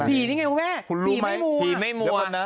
ผีนี่ไงคุณแม่ผีไม่มัว